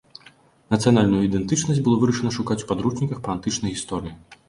Нацыянальную ідэнтычнасць было вырашана шукаць у падручніках па антычнай гісторыі.